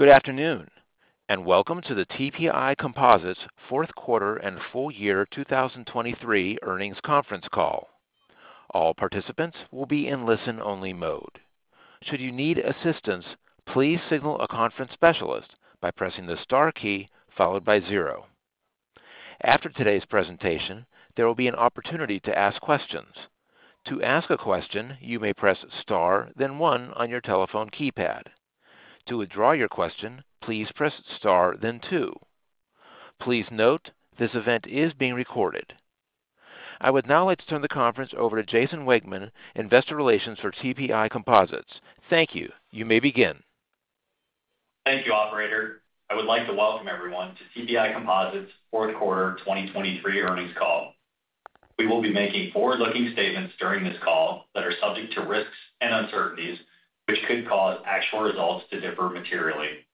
Good afternoon and welcome to the TPI Composites fourth quarter and full year 2023 earnings conference call. All participants will be in listen-only mode. Should you need assistance, please signal a conference specialist by pressing the star key followed by zero. After today's presentation, there will be an opportunity to ask questions. To ask a question, you may press star then one on your telephone keypad. To withdraw your question, please press star then two. Please note, this event is being recorded. I would now like to turn the conference over to Jason Wegmann, Investor Relations for TPI Composites. Thank you. You may begin. Thank you, operator. I would like to welcome everyone to TPI Composites fourth quarter 2023 earnings call. We will be making forward-looking statements during this call that are subject to risks and uncertainties, which could cause actual results to differ materially.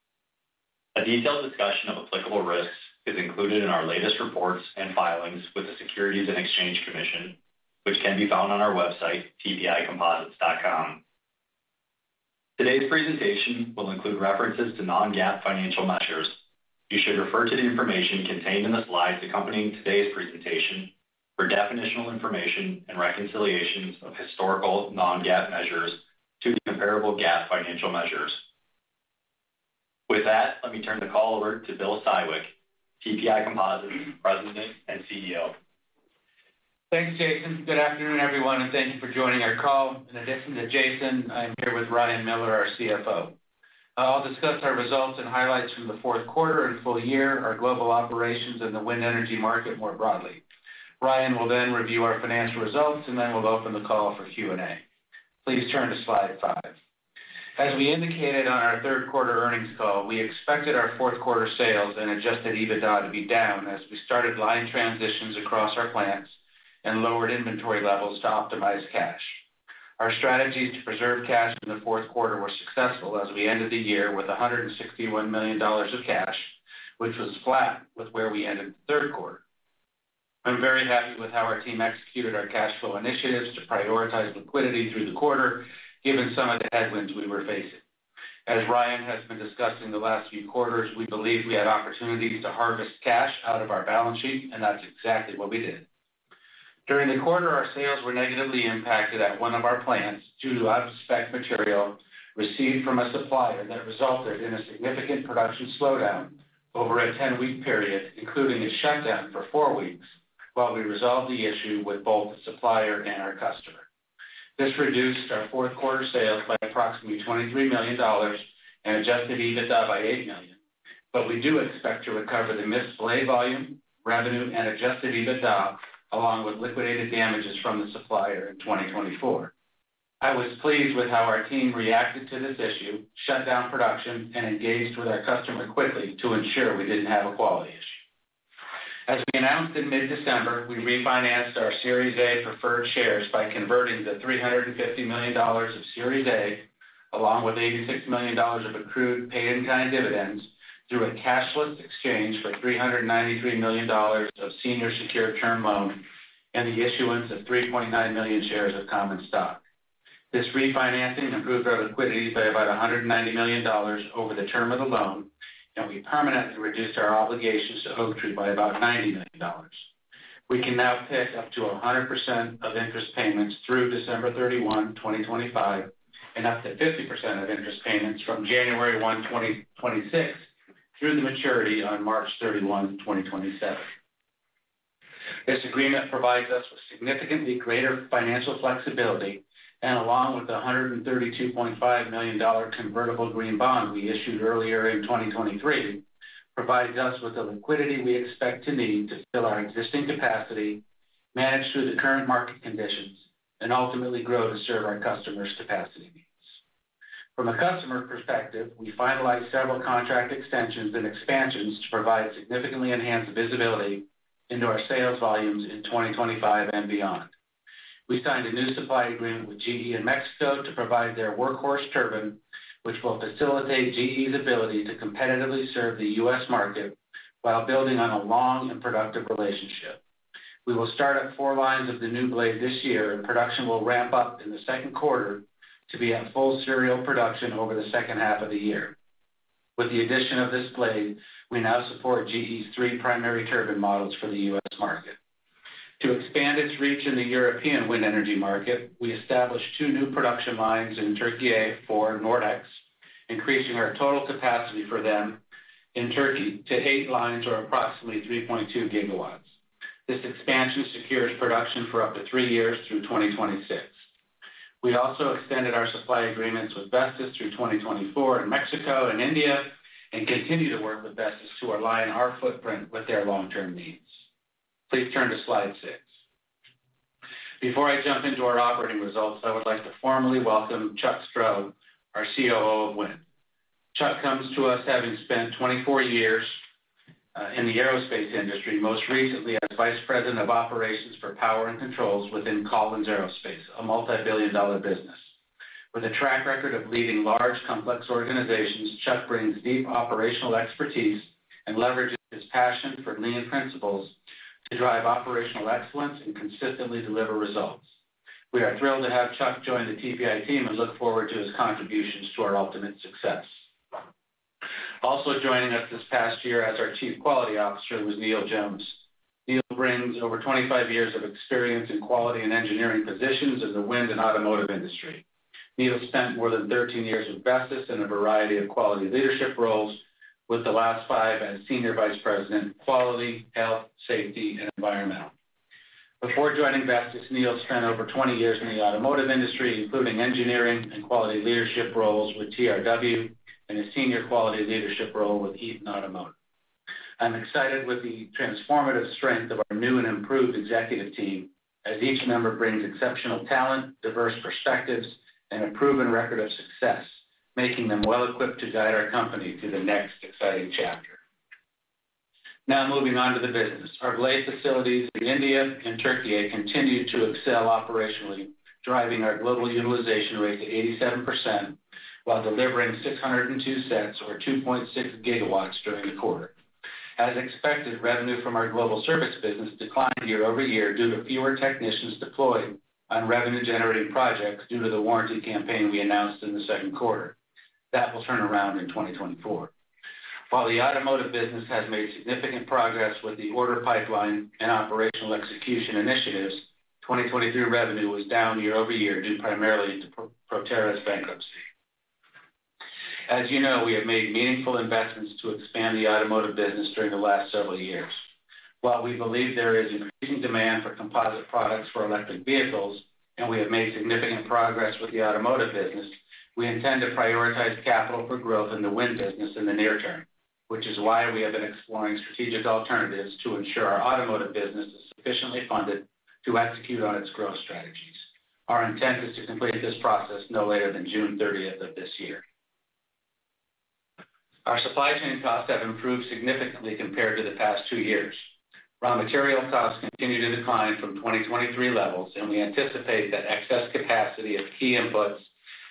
A detailed discussion of applicable risks is included in our latest reports and filings with the Securities and Exchange Commission, which can be found on our website, tpicomposites.com. Today's presentation will include references to non-GAAP financial measures. You should refer to the information contained in the slides accompanying today's presentation for definitional information and reconciliations of historical non-GAAP measures to comparable GAAP financial measures. With that, let me turn the call over to Bill Siwek, TPI Composites President and CEO. Thanks, Jason. Good afternoon, everyone, and thank you for joining our call. In addition to Jason, I'm here with Ryan Miller, our CFO. I'll discuss our results and highlights from the fourth quarter and full year, our global operations, and the wind energy market more broadly. Ryan will then review our financial results, and then we'll open the call for Q&A. Please turn to slide five. As we indicated on our third quarter earnings call, we expected our fourth quarter sales and Adjusted EBITDA to be down as we started line transitions across our plants and lowered inventory levels to optimize cash. Our strategies to preserve cash in the fourth quarter were successful as we ended the year with $161 million of cash, which was flat with where we ended the third quarter. I'm very happy with how our team executed our cash flow initiatives to prioritize liquidity through the quarter, given some of the headwinds we were facing. As Ryan has been discussing the last few quarters, we believe we had opportunities to harvest cash out of our balance sheet, and that's exactly what we did. During the quarter, our sales were negatively impacted at one of our plants due to out-of-spec material received from a supplier that resulted in a significant production slowdown over a 10-week period, including a shutdown for four weeks while we resolved the issue with both the supplier and our customer. This reduced our fourth quarter sales by approximately $23 million and Adjusted EBITDA by $8 million. But we do expect to recover the makeup volume, revenue, and Adjusted EBITDA, along with liquidated damages from the supplier in 2024. I was pleased with how our team reacted to this issue, shut down production, and engaged with our customer quickly to ensure we didn't have a quality issue. As we announced in mid-December, we refinanced our Series A preferred shares by converting the $350 million of Series A, along with $86 million of accrued pay-in-kind dividends, through a cashless exchange for $393 million of senior secured term loan and the issuance of 3.9 million shares of common stock. This refinancing improved our liquidity by about $190 million over the term of the loan, and we permanently reduced our obligations to Oaktree by about $90 million. We can now pick up to 100% of interest payments through 31st December 2025, and up to 50% of interest payments from 1st January 2026, through the maturity on March 31, 2027. This agreement provides us with significantly greater financial flexibility, and along with the $132.5 million convertible green bond we issued earlier in 2023, provides us with the liquidity we expect to need to fill our existing capacity, manage through the current market conditions, and ultimately grow to serve our customer's capacity needs. From a customer perspective, we finalized several contract extensions and expansions to provide significantly enhanced visibility into our sales volumes in 2025 and beyond. We signed a new supply agreement with GE in Mexico to provide their workhorse turbine, which will facilitate GE's ability to competitively serve the U.S. market while building on a long and productive relationship. We will start up four lines of the new blade this year, and production will ramp up in the second quarter to be at full serial production over the second half of the year. With the addition of this blade, we now support GE's three primary turbine models for the U.S. market. To expand its reach in the European wind energy market, we established two new production lines in Turkey A for Nordex, increasing our total capacity for them in Turkey to eight lines or approximately 3.2GW This expansion secures production for up to three years through 2026. We also extended our supply agreements with Vestas through 2024 in Mexico and India and continue to work with Vestas to align our footprint with their long-term needs. Please turn to slide six. Before I jump into our operating results, I would like to formally welcome Chuck Stroh, our COO of wind. Chuck comes to us having spent 24 years in the aerospace industry, most recently as vice president of operations for power and controls within Collins Aerospace, a multibillion-dollar business. With a track record of leading large, complex organizations, Chuck brings deep operational expertise and leverages his passion for lean principles to drive operational excellence and consistently deliver results. We are thrilled to have Chuck join the TPI team and look forward to his contributions to our ultimate success. Also joining us this past year as our Chief Quality Officer was Neil Jones. Neil brings over 25 years of experience in quality and engineering positions in the wind and automotive industry. Neil spent more than 13 years with Vestas in a variety of quality leadership roles, with the last five as Senior Vice President Quality, Health, Safety, and Environmental. Before joining Vestas, Neil spent over 20 years in the automotive industry, including engineering and quality leadership roles with TRW and a senior quality leadership role with Eaton Automotive. I'm excited with the transformative strength of our new and improved executive team, as each member brings exceptional talent, diverse perspectives, and a proven record of success, making them well-equipped to guide our company through the next exciting chapter. Now moving on to the business. Our blade facilities in India and Turkey A continue to excel operationally, driving our global utilization rate to 87% while delivering 602 sets or 2.6GW during the quarter. As expected, revenue from our global service business declined year-over-year due to fewer technicians deployed on revenue-generating projects due to the warranty campaign we announced in the second quarter. That will turn around in 2024. While the automotive business has made significant progress with the order pipeline and operational execution initiatives, 2023 revenue was down year-over-year due primarily to Proterra's bankruptcy. As you know, we have made meaningful investments to expand the automotive business during the last several years. While we believe there is increasing demand for composite products for electric vehicles and we have made significant progress with the automotive business, we intend to prioritize capital for growth in the wind business in the near term, which is why we have been exploring strategic alternatives to ensure our automotive business is sufficiently funded to execute on its growth strategies. Our intent is to complete this process no later than 30th June of this year. Our supply chain costs have improved significantly compared to the past two years. Raw material costs continue to decline from 2023 levels, and we anticipate that excess capacity of key inputs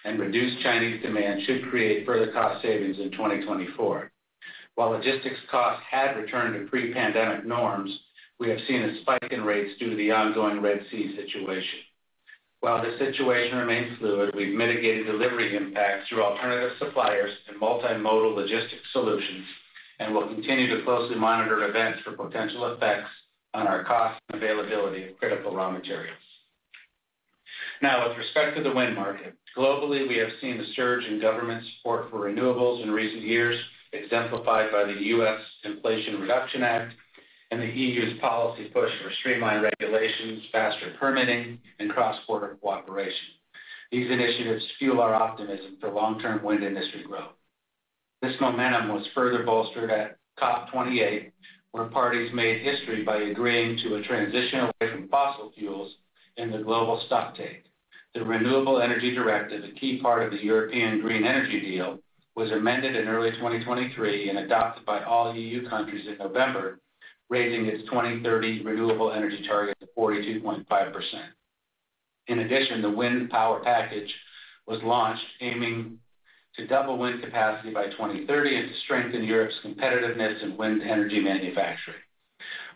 and reduced Chinese demand should create further cost savings in 2024. While logistics costs had returned to pre-pandemic norms, we have seen a spike in rates due to the ongoing Red Sea situation. While the situation remains fluid, we've mitigated delivery impacts through alternative suppliers and multimodal logistics solutions and will continue to closely monitor events for potential effects on our cost and availability of critical raw materials. Now, with respect to the wind market, globally, we have seen a surge in government support for renewables in recent years, exemplified by the U.S. Inflation Reduction Act and the E.U.'s policy push for streamlined regulations, faster permitting, and cross-border cooperation. These initiatives fuel our optimism for long-term wind industry growth. This momentum was further bolstered at COP28, where parties made history by agreeing to a transition away from fossil fuels in the global stocktake. The Renewable Energy Directive, a key part of the European Green Deal, was amended in early 2023 and adopted by all E.U countries in November, raising its 2030 renewable energy target to 42.5%. In addition, the Wind Power Package was launched, aiming to double wind capacity by 2030 and to strengthen Europe's competitiveness in wind energy manufacturing.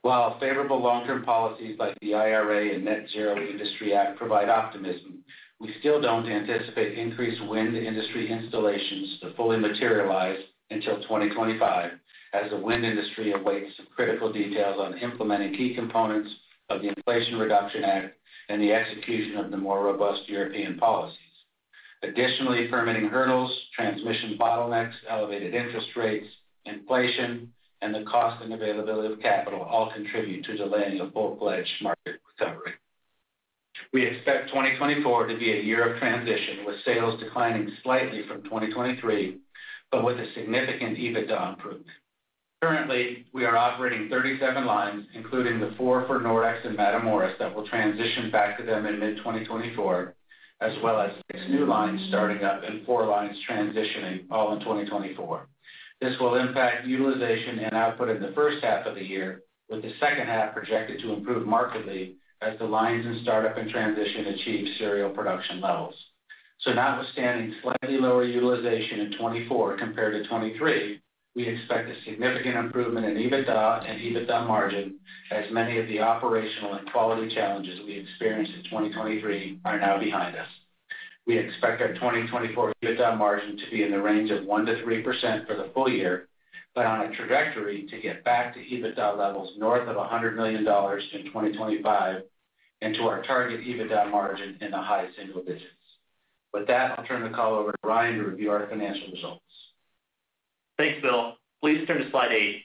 While favorable long-term policies like the IRA and Net-Zero Industry Act provide optimism, we still don't anticipate increased wind industry installations to fully materialize until 2025, as the wind industry awaits some critical details on implementing key components of the Inflation Reduction Act and the execution of the more robust European policies. Additionally, permitting hurdles, transmission bottlenecks, elevated interest rates, inflation, and the cost and availability of capital all contribute to delaying a full-fledged market recovery. We expect 2024 to be a year of transition, with sales declining slightly from 2023 but with a significant EBITDA improvement. Currently, we are operating 37 lines, including the four for Nordex and Matamoros that will transition back to them in mid 2024, as well as 6 new lines starting up and four lines transitioning, all in 2024. This will impact utilization and output in the first half of the year, with the second half projected to improve markedly as the lines in startup and transition achieve serial production levels. So, notwithstanding slightly lower utilization in 2024 compared to 2023, we expect a significant improvement in EBITDA and EBITDA margin, as many of the operational and quality challenges we experienced in 2023 are now behind us. We expect our 2024 EBITDA margin to be in the range of 1%-3% for the full year but on a trajectory to get back to EBITDA levels north of $100 million in 2025 and to our target EBITDA margin in the high single digits. With that, I'll turn the call over to Ryan to review our financial results. Thanks, Bill. Please turn to slide eight.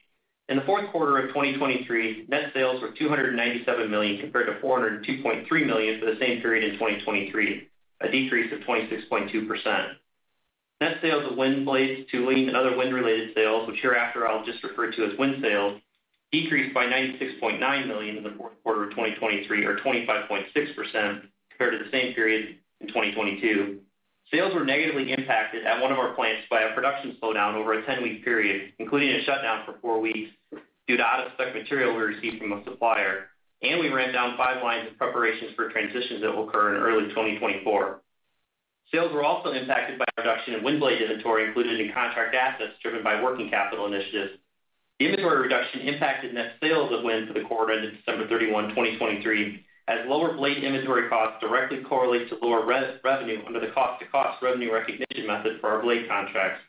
In the fourth quarter of 2023, net sales were $297 million compared to $402.3 million for the same period in 2023, a decrease of 26.2%. Net sales of wind blades, tooling, and other wind-related sales, which hereafter I'll just refer to as wind sales, decreased by $96.9 million in the fourth quarter of 2023, or 25.6% compared to the same period in 2022. Sales were negatively impacted at one of our plants by a production slowdown over a 10 week period, including a shutdown for four weeks due to out-of-spec material we received from a supplier, and we ramped down 5 lines of preparations for transitions that will occur in early 2024. Sales were also impacted by a reduction in wind blade inventory, included in Contract Assets driven by working capital initiatives. The inventory reduction impacted net sales of wind for the quarter ended 31st December 2023, as lower blade inventory costs directly correlate to lower revenue under the cost-to-cost revenue recognition method for our blade contracts.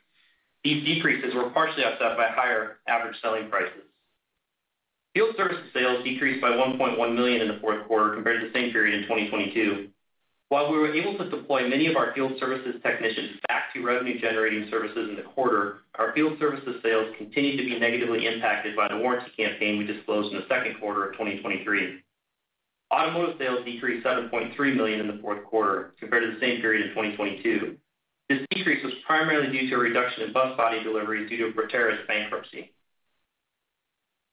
These decreases were partially offset by higher average selling prices. Field services sales decreased by $1.1 million in the fourth quarter compared to the same period in 2022. While we were able to deploy many of our field services technicians back to revenue-generating services in the quarter, our field services sales continued to be negatively impacted by the warranty campaign we disclosed in the second quarter of 2023. Automotive sales decreased $7.3 million in the fourth quarter compared to the same period in 2022. This decrease was primarily due to a reduction in bus body deliveries due to Proterra's bankruptcy.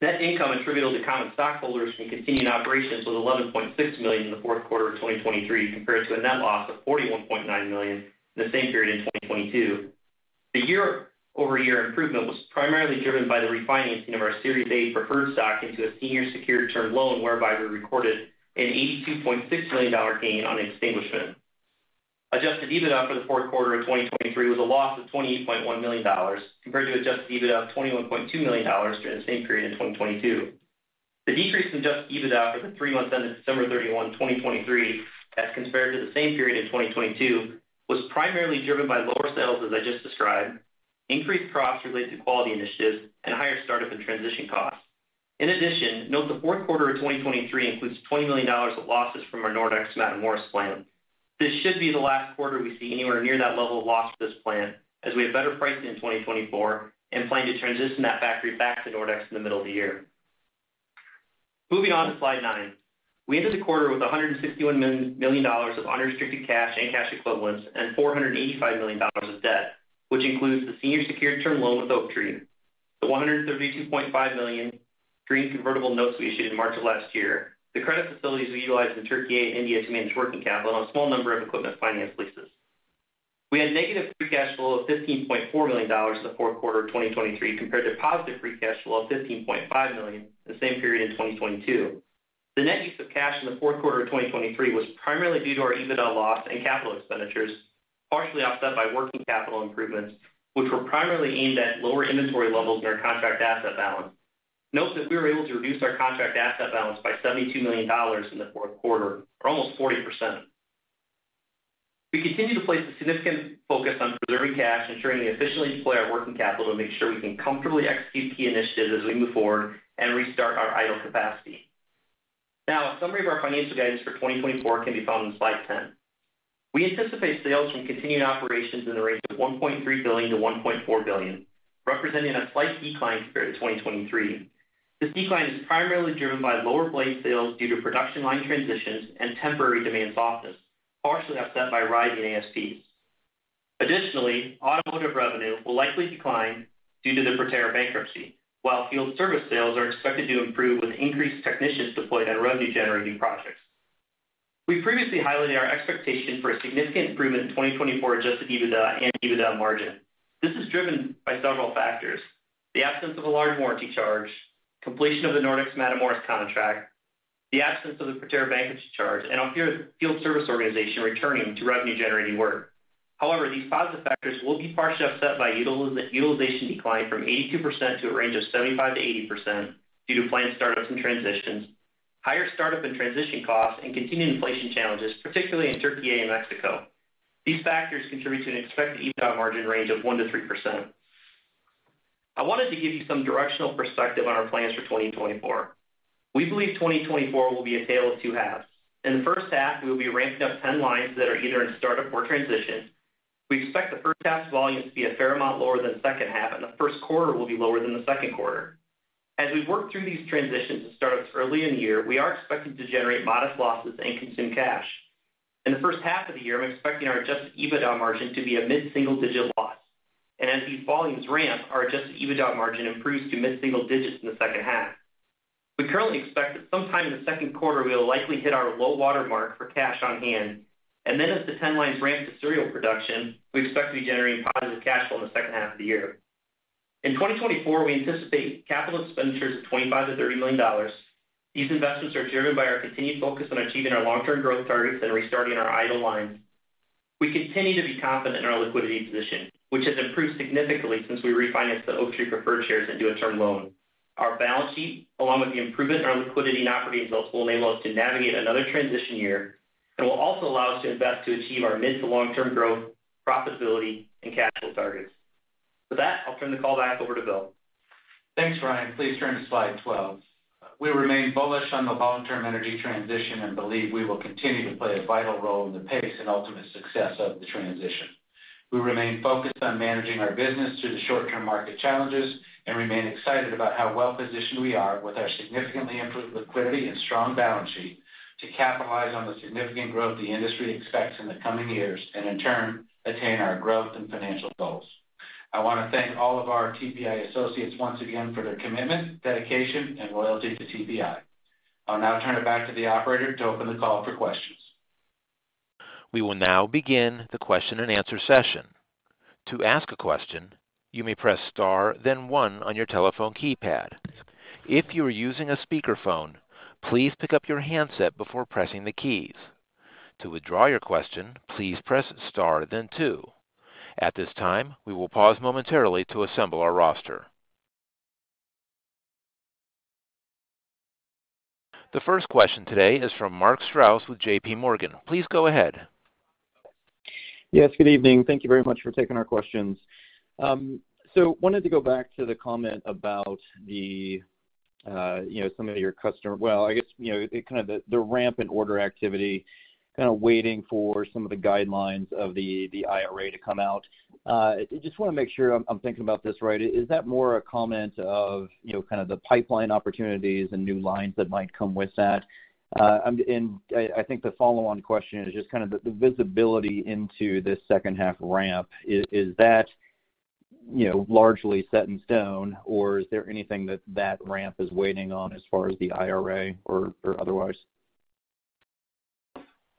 Net income attributed to common stockholders from continuing operations was $11.6 million in the fourth quarter of 2023, compared to a net loss of $41.9 million in the same period in 2022. The year-over-year improvement was primarily driven by the refinancing of our Series A Preferred Stock into a senior secured term loan, whereby we recorded an $82.6 million gain on extinguishment. Adjusted EBITDA for the fourth quarter of 2023 was a loss of $28.1 million compared to adjusted EBITDA of $21.2 million during the same period in 2022. The decrease in adjusted EBITDA for the three months ended 31st December 2023, as compared to the same period in 2022, was primarily driven by lower sales, as I just described, increased costs related to quality initiatives, and higher startup and transition costs. In addition, note the fourth quarter of 2023 includes $20 million of losses from our Nordex Matamoros plant. This should be the last quarter we see anywhere near that level of loss for this plant, as we have better pricing in 2024 and plan to transition that factory back to Nordex in the middle of the year. Moving on to slide nine. We ended the quarter with $161 million of unrestricted cash and cash equivalents and $485 million of debt, which includes the senior secured term loan with Oaktree, the $132.5 million green convertible notes we issued in March of last year, the credit facilities we utilized in Turkey A and India to manage working capital, and a small number of equipment finance leases. We had negative free cash flow of $15.4 million in the fourth quarter of 2023 compared to positive free cash flow of $15.5 million in the same period in 2022. The net use of cash in the fourth quarter of 2023 was primarily due to our EBITDA loss and capital expenditures, partially offset by working capital improvements, which were primarily aimed at lower inventory levels in our contract asset balance. Note that we were able to reduce our contract asset balance by $72 million in the fourth quarter, or almost 40%. We continue to place a significant focus on preserving cash, ensuring we efficiently deploy our working capital to make sure we can comfortably execute key initiatives as we move forward and restart our idle capacity. Now, a summary of our financial guidance for 2024 can be found on slide 10. We anticipate sales from continuing operations in the range of $1.3 billion-$1.4 billion, representing a slight decline compared to 2023. This decline is primarily driven by lower blade sales due to production line transitions and temporary demand softness, partially offset by rising ASPs. Additionally, automotive revenue will likely decline due to Proterra's bankruptcy, while field service sales are expected to improve with increased technicians deployed on revenue-generating projects. We previously highlighted our expectation for a significant improvement in 2024 Adjusted EBITDA and EBITDA margin. This is driven by several factors: the absence of a large warranty charge, completion of the Nordex Matamoros contract, the absence of the Proterra's bankruptcy charge, and our field service organization returning to revenue-generating work. However, these positive factors will be partially offset by utilization decline from 82% to a range of 75%-80% due to planned startups and transitions, higher startup and transition costs, and continued inflation challenges, particularly in Turkey A and Mexico. These factors contribute to an expected EBITDA margin range of 1%-3%. I wanted to give you some directional perspective on our plans for 2024. We believe 2024 will be a tale of two halves. In the first half, we will be ramping up 10 lines that are either in startup or transition. We expect the first half's volume to be a fair amount lower than the second half, and the first quarter will be lower than the second quarter. As we work through these transitions and startups early in the year, we are expected to generate modest losses and consume cash. In the first half of the year, I'm expecting our adjusted EBITDA margin to be a mid-single digit loss. As these volumes ramp, our adjusted EBITDA margin improves to mid-single digits in the second half. We currently expect that sometime in the second quarter, we will likely hit our low watermark for cash on hand. And then, as the 10 lines ramp to serial production, we expect to be generating positive cash flow in the second half of the year. In 2024, we anticipate capital expenditures of $25-$30 million. These investments are driven by our continued focus on achieving our long-term growth targets and restarting our idle lines. We continue to be confident in our liquidity position, which has improved significantly since we refinanced the Oaktree preferred shares into a term loan. Our balance sheet, along with the improvement in our liquidity and operating results, will enable us to navigate another transition year and will also allow us to invest to achieve our mid- to long-term growth, profitability, and cash flow targets. With that, I'll turn the call back over to Bill. Thanks, Ryan. Please turn to slide 12. We remain bullish on the long-term energy transition and believe we will continue to play a vital role in the pace and ultimate success of the transition. We remain focused on managing our business through the short-term market challenges and remain excited about how well-positioned we are with our significantly improved liquidity and strong balance sheet to capitalize on the significant growth the industry expects in the coming years and, in turn, attain our growth and financial goals. I want to thank all of our TPI associates once again for their commitment, dedication, and loyalty to TPI. I'll now turn it back to the operator to open the call for questions. We will now begin the question-and-answer session. To ask a question, you may press star, then 1 on your telephone keypad. If you are using a speakerphone, please pick up your handset before pressing the keys. To withdraw your question, please Press Star, then two. At this time, we will pause momentarily to assemble our roster. The first question today is from Mark Strouse with J.P. Morgan. Please go ahead. Yes. Good evening. Thank you very much for taking our questions. So wanted to go back to the comment about some of your customer well, I guess kind of the ramp and order activity, kind of waiting for some of the guidelines of the IRA to come out. Just want to make sure I'm thinking about this right. Is that more a comment of kind of the pipeline opportunities and new lines that might come with that? And I think the follow-on question is just kind of the visibility into this second-half ramp. Is that largely set in stone, or is there anything that that ramp is waiting on as far as the IRA or otherwise?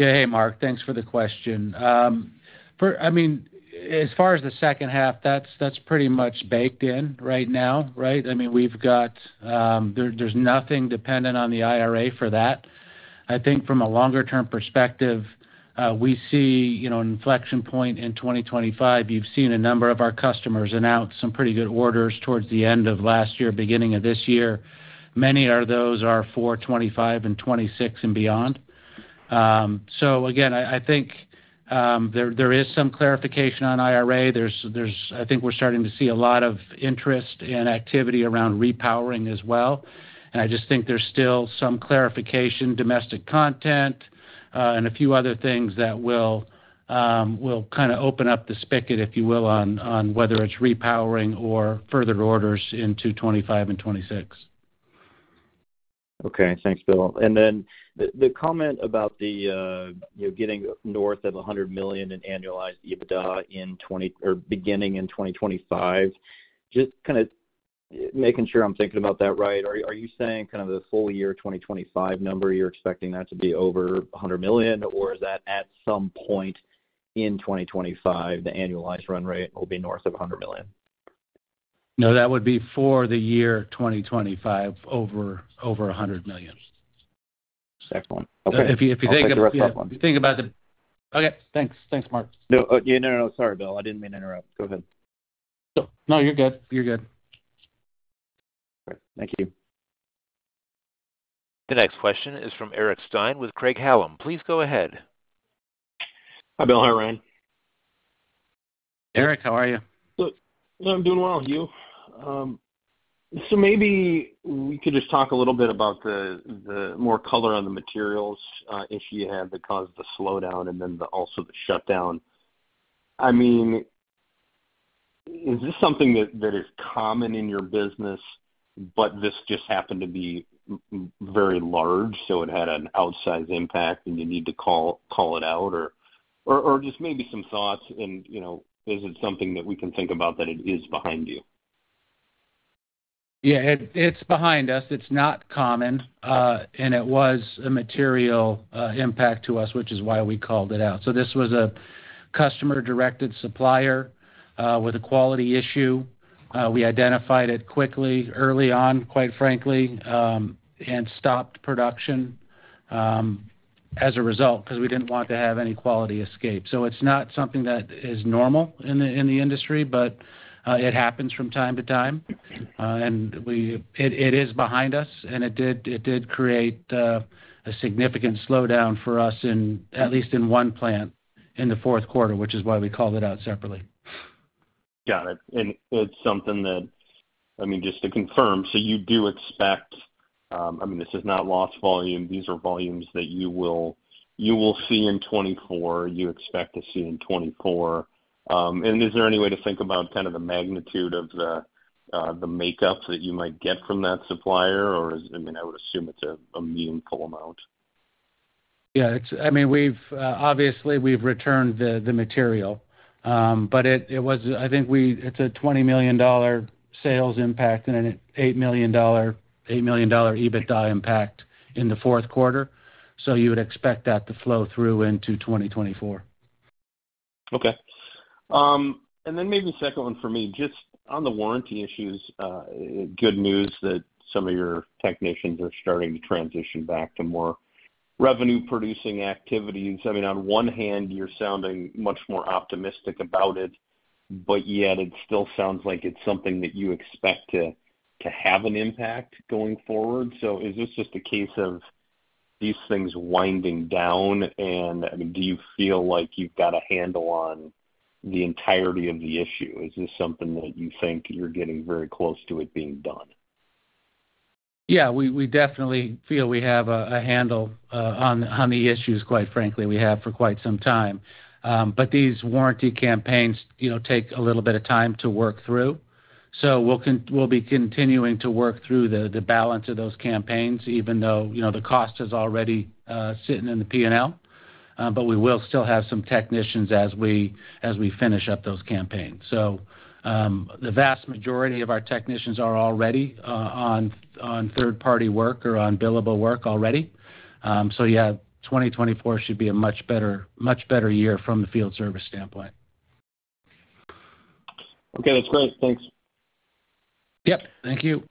Yeah. Hey, Mark. Thanks for the question. I mean, as far as the second half, that's pretty much baked in right now, right? I mean, there's nothing dependent on the IRA for that. I think from a longer-term perspective, we see an inflection point in 2025. You've seen a number of our customers announce some pretty good orders towards the end of last year, beginning of this year. Many of those are for 2025 and 2026 and beyond. So again, I think there is some clarification on IRA. I think we're starting to see a lot of interest and activity around repowering as well. And I just think there's still some clarification, domestic content, and a few other things that will kind of open up the spigot, if you will, on whether it's repowering or further orders into 2025 and 2026. Okay. Thanks, Bill. Then the comment about getting north of $100 million in annualized EBITDA beginning in 2025, just kind of making sure I'm thinking about that right, are you saying kind of the full year 2025 number, you're expecting that to be over $100 million, or is that at some point in 2025, the annualized run rate will be north of $100 million? No, that would be for the year 2025, over $100 million. Excellent. Okay. If you think about the. That's a direct question. Okay. Thanks. Thanks, Mark. No, no, no. Sorry, Bill. I didn't mean to interrupt. Go ahead. No, you're good. You're good. Great. Thank you. The next question is from Eric Stine with Craig-Hallum. Please go ahead. Hi, Bill. Hi, Ryan. Eric, how are you? I'm doing well. You? So maybe we could just talk a little bit about the more color on the materials issue you had that caused the slowdown and then also the shutdown. I mean, is this something that is common in your business, but this just happened to be very large, so it had an outsized impact, and you need to call it out, or just maybe some thoughts? And is it something that we can think about that it is behind you? Yeah. It's behind us. It's not common. It was a material impact to us, which is why we called it out. This was a customer-directed supplier with a quality issue. We identified it quickly, early on, quite frankly, and stopped production as a result because we didn't want to have any quality escape. It's not something that is normal in the industry, but it happens from time to time. It is behind us, and it did create a significant slowdown for us, at least in one plant, in the fourth quarter, which is why we called it out separately. Got it. And it's something that I mean, just to confirm, so you do expect I mean, this is not loss volume. These are volumes that you will see in 2024. You expect to see in 2024. And is there any way to think about kind of the magnitude of the makeup that you might get from that supplier, or is I mean, I would assume it's a meaningful amount. Yeah. I mean, obviously, we've returned the material. But I think it's a $20 million sales impact and an $8 million EBITDA impact in the fourth quarter. So you would expect that to flow through into 2024. Okay. Then maybe second one for me, just on the warranty issues, good news that some of your technicians are starting to transition back to more revenue-producing activities. I mean, on one hand, you're sounding much more optimistic about it, but yet it still sounds like it's something that you expect to have an impact going forward. So is this just a case of these things winding down? And I mean, do you feel like you've got a handle on the entirety of the issue? Is this something that you think you're getting very close to it being done? Yeah. We definitely feel we have a handle on the issues, quite frankly. We have for quite some time. But these warranty campaigns take a little bit of time to work through. So we'll be continuing to work through the balance of those campaigns, even though the cost is already sitting in the P&L. But we will still have some technicians as we finish up those campaigns. So the vast majority of our technicians are already on third-party work or on billable work already. So yeah, 2024 should be a much better year from the field service standpoint. Okay. That's great. Thanks. Yep. Thank you.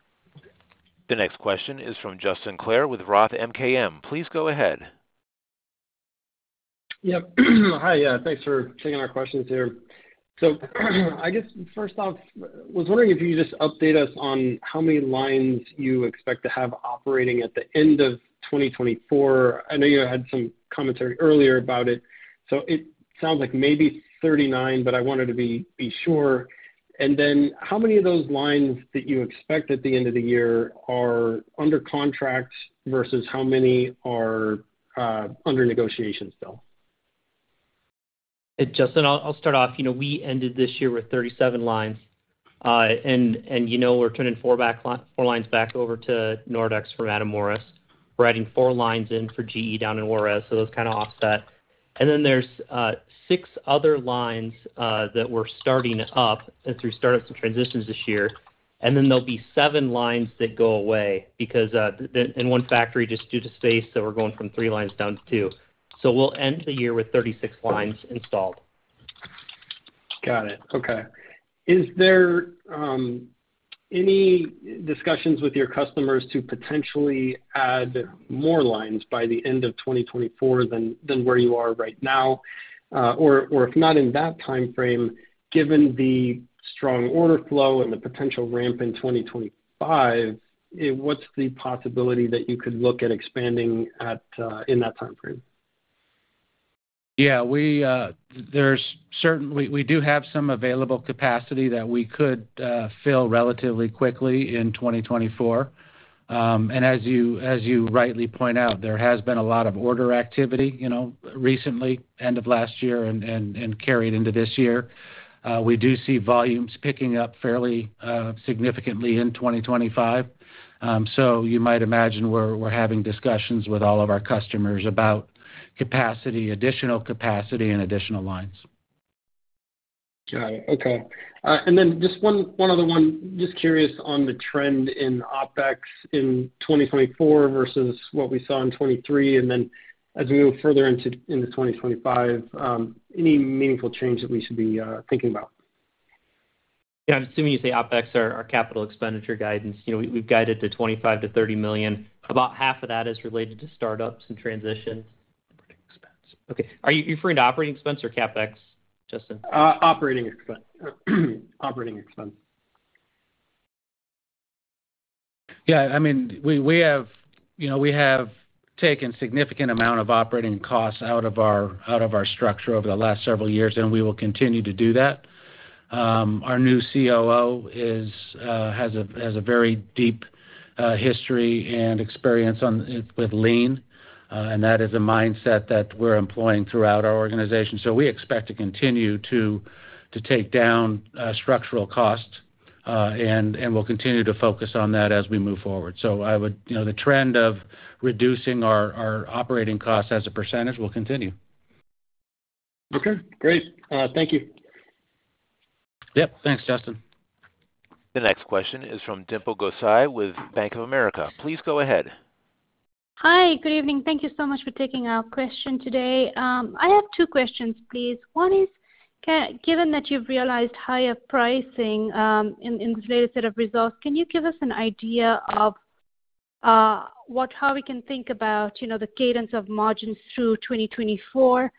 The next question is from Justin Clare with Roth MKM. Please go ahead. Yep. Hi. Yeah. Thanks for taking our questions here. So I guess, first off, I was wondering if you could just update us on how many lines you expect to have operating at the end of 2024. I know you had some commentary earlier about it. So it sounds like maybe 39, but I wanted to be sure. And then how many of those lines that you expect at the end of the year are under contract versus how many are under negotiation still? Justin, I'll start off. We ended this year with 37 lines. We're turning 4 lines back over to Nordex from Matamoros. We're adding four lines in for GE down in Juárez, so those kind of offset. Then there's six other lines that we're starting up through startups and transitions this year. Then there'll be seven lines that go away because in one factory, just due to space, so we're going from three lines down to two. We'll end the year with 36 lines installed. Got it. Okay. Is there any discussions with your customers to potentially add more lines by the end of 2024 than where you are right now? Or if not in that timeframe, given the strong order flow and the potential ramp in 2025, what's the possibility that you could look at expanding in that timeframe? Yeah. We do have some available capacity that we could fill relatively quickly in 2024. And as you rightly point out, there has been a lot of order activity recently, end of last year, and carried into this year. We do see volumes picking up fairly significantly in 2025. So you might imagine we're having discussions with all of our customers about additional capacity and additional lines. Got it. Okay. And then just one other one, just curious on the trend in OpEx in 2024 versus what we saw in 2023. And then as we move further into 2025, any meaningful change that we should be thinking about? Yeah. I'm assuming you say OpEx or capital expenditure guidance. We've guided to $25 million-$30 million. About half of that is related to startups and transitions. Operating expense. Okay. Are you referring to operating expense or CAPEX, Justin? Operating expense. Operating expense. Yeah. I mean, we have taken a significant amount of operating costs out of our structure over the last several years, and we will continue to do that. Our new COO has a very deep history and experience with lean, and that is a mindset that we're employing throughout our organization. So we expect to continue to take down structural costs, and we'll continue to focus on that as we move forward. So the trend of reducing our operating costs as a percentage will continue. Okay. Great. Thank you. Yep. Thanks, Justin. The next question is from Dimple Gosai with Bank of America. Please go ahead. Hi. Good evening. Thank you so much for taking our question today. I have two questions, please. One is, given that you've realized higher pricing in this latest set of results, can you give us an idea of how we can think about the cadence of margins through 2024,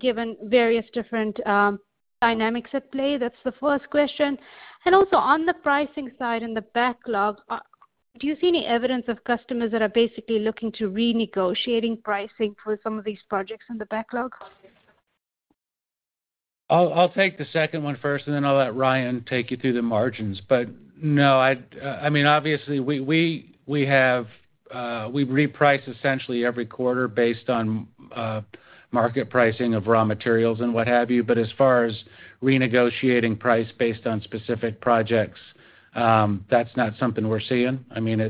given various different dynamics at play? That's the first question. And also, on the pricing side and the backlog, do you see any evidence of customers that are basically looking to renegotiating pricing for some of these projects in the backlog? I'll take the second one first, and then I'll let Ryan take you through the margins. But no, I mean, obviously, we reprice essentially every quarter based on market pricing of raw materials and what have you. But as far as renegotiating price based on specific projects, that's not something we're seeing. I mean,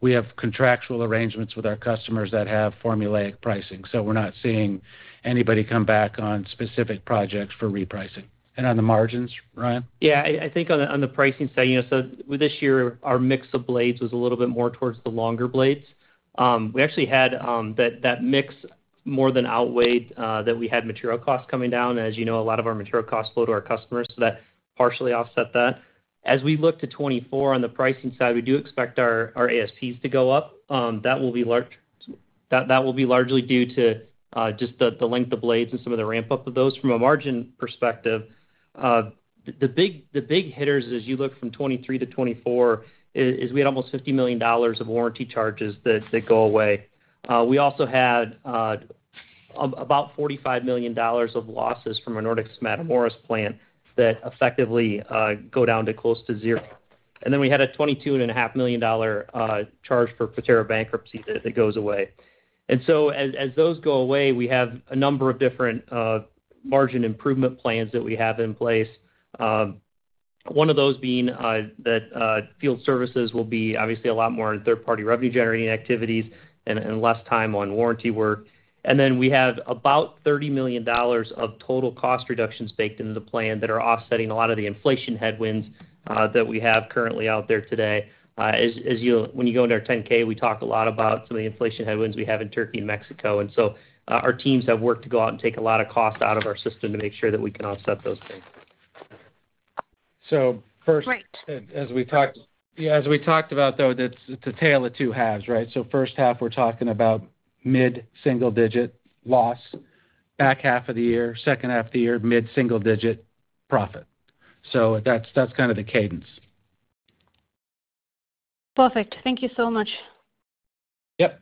we have contractual arrangements with our customers that have formulaic pricing. So we're not seeing anybody come back on specific projects for repricing. And on the margins, Ryan? Yeah. I think on the pricing side, so this year, our mix of blades was a little bit more towards the longer blades. We actually had that mix more than outweighed that we had material costs coming down. And as you know, a lot of our material costs flow to our customers, so that partially offset that. As we look to 2024 on the pricing side, we do expect our ASPs to go up. That will be largely due to just the length of blades and some of the ramp-up of those. From a margin perspective, the big hitters as you look from 2023 to 2024 is we had almost $50 million of warranty charges that go away. We also had about $45 million of losses from a Nordex from Matamoros plant that effectively go down to close to zero. And then we had a $22.5 million charge for Proterra bankruptcy that goes away. And so as those go away, we have a number of different margin improvement plans that we have in place, one of those being that field services will be obviously a lot more in third-party revenue-generating activities and less time on warranty work. And then we have about $30 million of total cost reductions baked into the plan that are offsetting a lot of the inflation headwinds that we have currently out there today. When you go into our 10-K, we talk a lot about some of the inflation headwinds we have in Turkey and Mexico. And so our teams have worked to go out and take a lot of cost out of our system to make sure that we can offset those things. So first. Right. Yeah. As we talked about, though, it's a tale of two halves, right? So first half, we're talking about mid-single-digit loss. Back half of the year, second half of the year, mid-single-digit profit. So that's kind of the cadence. Perfect. Thank you so much. Yep.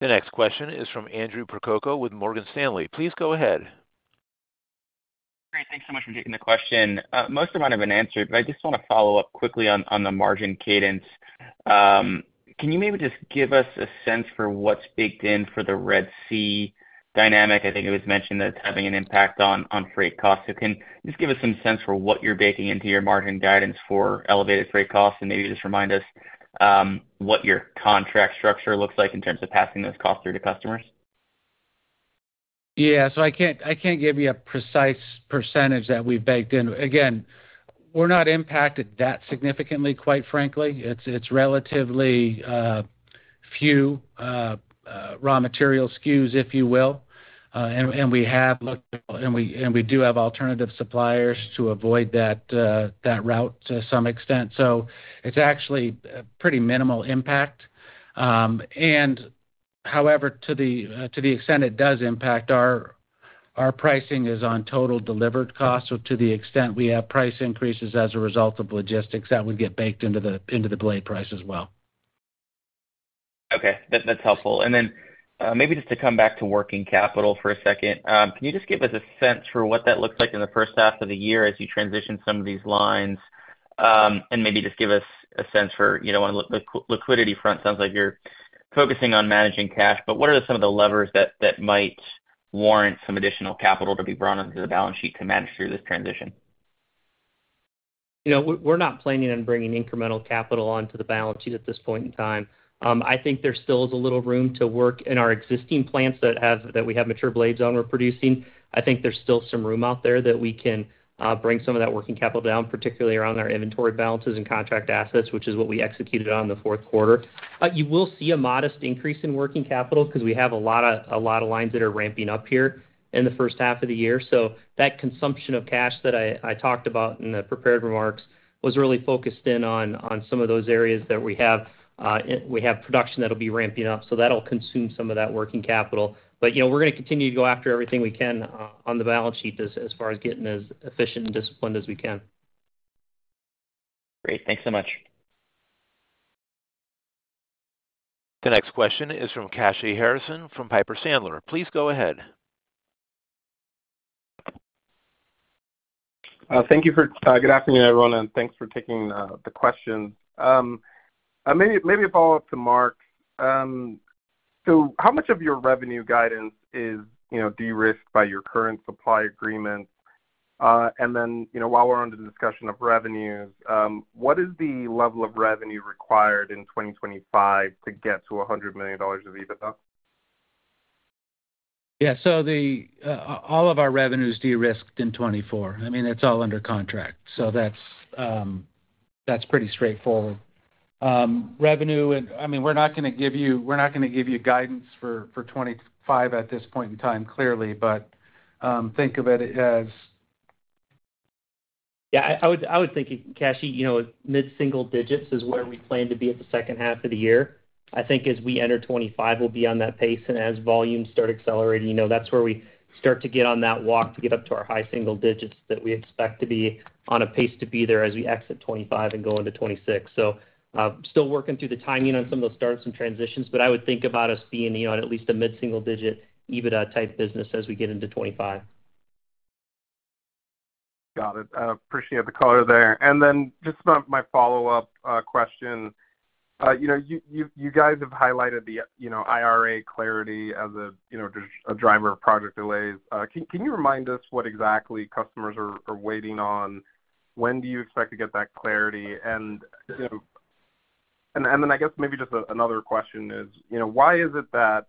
The next question is from Andrew Percoco with Morgan Stanley. Please go ahead. Great. Thanks so much for taking the question. Most of mine have been answered, but I just want to follow up quickly on the margin cadence. Can you maybe just give us a sense for what's baked in for the Red Sea dynamic? I think it was mentioned that it's having an impact on freight costs. So can you just give us some sense for what you're baking into your margin guidance for elevated freight costs and maybe just remind us what your contract structure looks like in terms of passing those costs through to customers? Yeah. So I can't give you a precise percentage that we've baked in. Again, we're not impacted that significantly, quite frankly. It's relatively few raw material SKUs, if you will. And we have looked at and we do have alternative suppliers to avoid that route to some extent. So it's actually pretty minimal impact. And, however, to the extent it does impact, our pricing is on total delivered costs. So to the extent we have price increases as a result of logistics, that would get baked into the blade price as well. Okay. That's helpful. And then maybe just to come back to working capital for a second, can you just give us a sense for what that looks like in the first half of the year as you transition some of these lines? And maybe just give us a sense for on the liquidity front, sounds like you're focusing on managing cash, but what are some of the levers that might warrant some additional capital to be brought onto the balance sheet to manage through this transition? We're not planning on bringing incremental capital onto the balance sheet at this point in time. I think there still is a little room to work in our existing plants that we have mature blades on we're producing. I think there's still some room out there that we can bring some of that working capital down, particularly around our inventory balances and contract assets, which is what we executed on the fourth quarter. You will see a modest increase in working capital because we have a lot of lines that are ramping up here in the first half of the year. So that consumption of cash that I talked about in the prepared remarks was really focused in on some of those areas that we have. We have production that'll be ramping up, so that'll consume some of that working capital. We're going to continue to go after everything we can on the balance sheet as far as getting as efficient and disciplined as we can. Great. Thanks so much. The next question is from Kashy Harrison from Piper Sandler. Please go ahead. Thank you. Good afternoon, everyone, and thanks for taking the questions. Maybe a follow-up to Mark. So how much of your revenue guidance is derisked by your current supply agreement? And then while we're on the discussion of revenues, what is the level of revenue required in 2025 to get to $100 million of EBITDA? Yeah. So all of our revenue is derisked in 2024. I mean, it's all under contract. So that's pretty straightforward. Revenue, I mean, we're not going to give you guidance for 2025 at this point in time, clearly, but think of it as. Yeah. I would think, Kashy, mid-single digits is where we plan to be at the second half of the year. I think as we enter 2025, we'll be on that pace. And as volumes start accelerating, that's where we start to get on that walk to get up to our high single digits that we expect to be on a pace to be there as we exit 2025 and go into 2026. So still working through the timing on some of those startups and transitions, but I would think about us being at least a mid-single digit EBITDA-type business as we get into 2025. Got it. I appreciate the color there. And then just about my follow-up question, you guys have highlighted the IRA clarity as a driver of project delays. Can you remind us what exactly customers are waiting on? When do you expect to get that clarity? And then I guess maybe just another question is, why is it that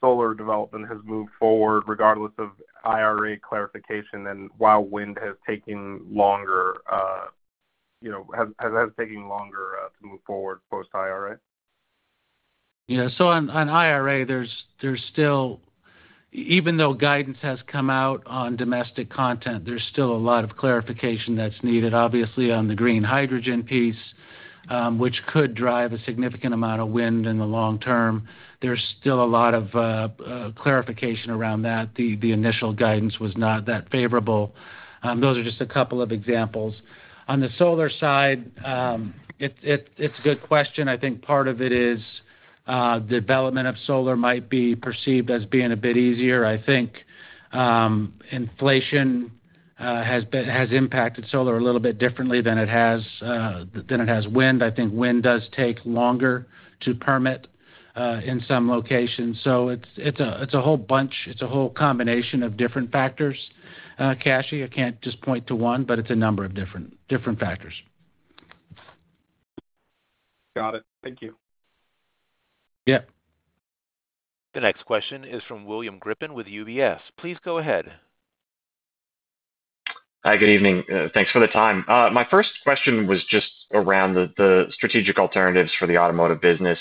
solar development has moved forward regardless of IRA clarification, and while wind has taken longer to move forward post-IRA? Yeah. So on IRA, even though guidance has come out on domestic content, there's still a lot of clarification that's needed. Obviously, on the green hydrogen piece, which could drive a significant amount of wind in the long term, there's still a lot of clarification around that. The initial guidance was not that favorable. Those are just a couple of examples. On the solar side, it's a good question. I think part of it is development of solar might be perceived as being a bit easier. I think inflation has impacted solar a little bit differently than it has wind. I think wind does take longer to permit in some locations. So it's a whole bunch. It's a whole combination of different factors, Kashy. I can't just point to one, but it's a number of different factors. Got it. Thank you. Yep. The next question is from William Grippin with UBS. Please go ahead. Hi. Good evening. Thanks for the time. My first question was just around the strategic alternatives for the automotive business.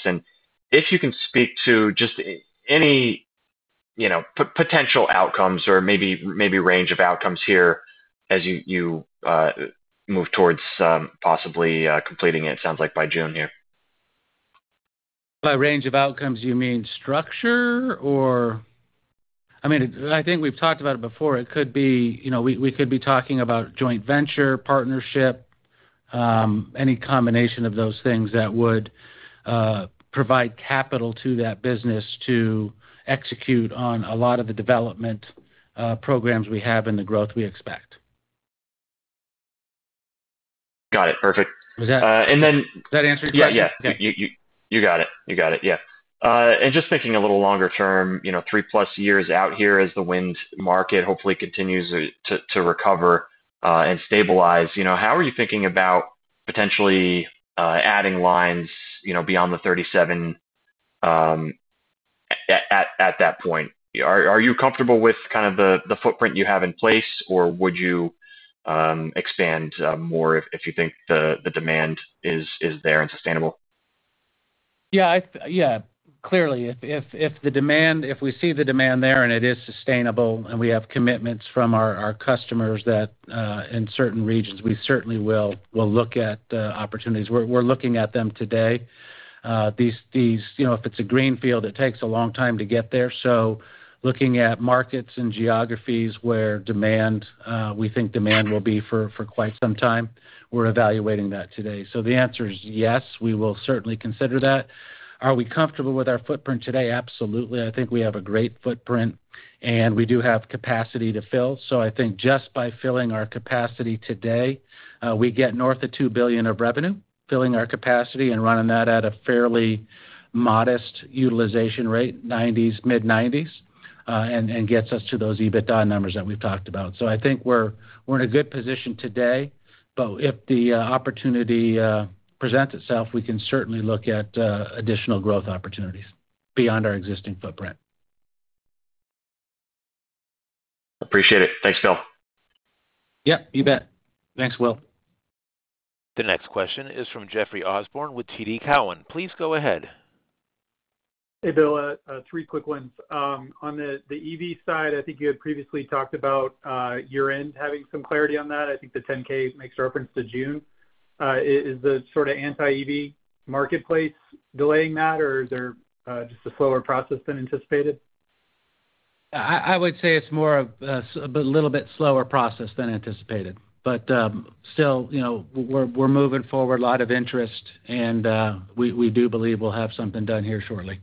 If you can speak to just any potential outcomes or maybe range of outcomes here as you move towards possibly completing it, sounds like, by June here. By range of outcomes, you mean structure or? I mean, I think we've talked about it before. It could be we could be talking about joint venture, partnership, any combination of those things that would provide capital to that business to execute on a lot of the development programs we have and the growth we expect. Got it. Perfect. Was that. And then. Did that answer your question? Yeah. Yeah. You got it. You got it. Yeah. And just thinking a little longer term, 3+ years out here as the wind market hopefully continues to recover and stabilize, how are you thinking about potentially adding lines beyond the 37 at that point? Are you comfortable with kind of the footprint you have in place, or would you expand more if you think the demand is there and sustainable? Yeah. Yeah. Clearly, if we see the demand there and it is sustainable and we have commitments from our customers in certain regions, we certainly will look at opportunities. We're looking at them today. If it's a green field, it takes a long time to get there. So looking at markets and geographies where we think demand will be for quite some time, we're evaluating that today. So the answer is yes. We will certainly consider that. Are we comfortable with our footprint today? Absolutely. I think we have a great footprint, and we do have capacity to fill. So I think just by filling our capacity today, we get north of $2 billion of revenue. Filling our capacity and running that at a fairly modest utilization rate, mid 90s%, and gets us to those EBITDA numbers that we've talked about. So I think we're in a good position today. But if the opportunity presents itself, we can certainly look at additional growth opportunities beyond our existing footprint. Appreciate it. Thanks, Bill. Yep. You bet. Thanks, Will. The next question is from Jeff Osborne with TD Cowen. Please go ahead. Hey, Bill. Three quick ones. On the EV side, I think you had previously talked about year-end having some clarity on that. I think the 10-K makes reference to June. Is the sort of anti-EV marketplace delaying that, or is there just a slower process than anticipated? I would say it's more of a little bit slower process than anticipated. Still, we're moving forward, a lot of interest, and we do believe we'll have something done here shortly.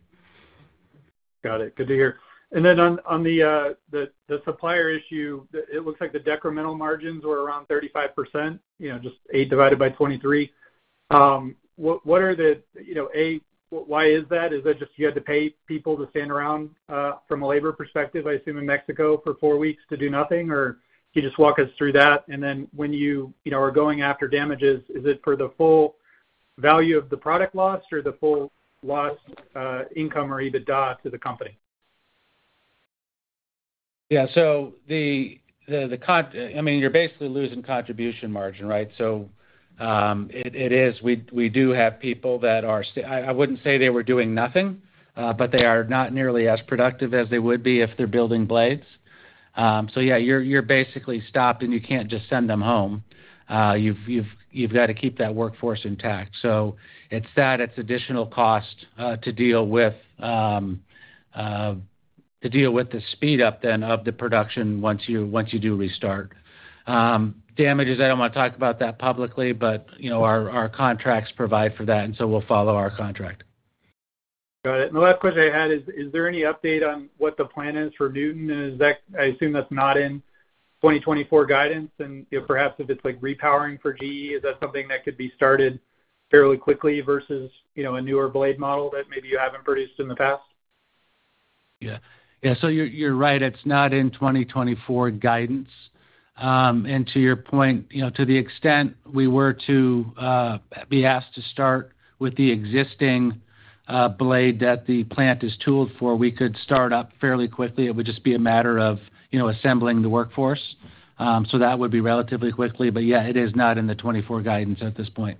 Got it. Good to hear. And then on the supplier issue, it looks like the decremental margins were around 35%, just 8 divided by 23. What is that, why is that? Is that just you had to pay people to stand around from a labor perspective, I assume, in Mexico for four weeks to do nothing, or can you just walk us through that? And then when you are going after damages, is it for the full value of the product lost or the full lost income or EBITDA to the company? Yeah. So I mean, you're basically losing contribution margin, right? So it is. We do have people that are, I wouldn't say they were doing nothing, but they are not nearly as productive as they would be if they're building blades. So yeah, you're basically stopped, and you can't just send them home. You've got to keep that workforce intact. So it's that. It's additional cost to deal with the speed-up, then, of the production once you do restart. Damages, I don't want to talk about that publicly, but our contracts provide for that, and so we'll follow our contract. Got it. And the last question I had is, is there any update on what the plan is for Newton? And I assume that's not in 2024 guidance. And perhaps if it's repowering for GE, is that something that could be started fairly quickly versus a newer blade model that maybe you haven't produced in the past? Yeah. Yeah. So you're right. It's not in 2024 guidance. And to your point, to the extent we were to be asked to start with the existing blade that the plant is tooled for, we could start up fairly quickly. It would just be a matter of assembling the workforce. So that would be relatively quickly. But yeah, it is not in the 2024 guidance at this point.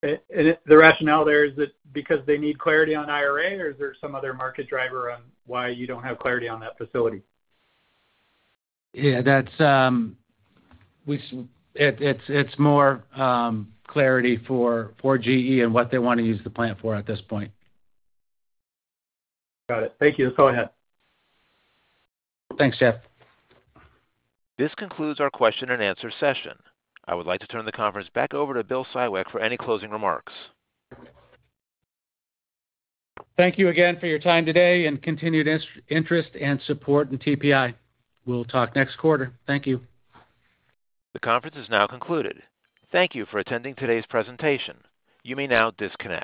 The rationale there is that because they need clarity on IRA, or is there some other market driver on why you don't have clarity on that facility? Yeah. It's more clarity for GE and what they want to use the plant for at this point. Got it. Thank you. Just go ahead. Thanks, Jeff. This concludes our question-and-answer session. I would like to turn the conference back over to Bill Siwek for any closing remarks. Thank you again for your time today and continued interest and support in TPI. We'll talk next quarter. Thank you. The conference is now concluded. Thank you for attending today's presentation. You may now disconnect.